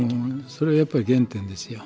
それはやっぱり原点ですよ。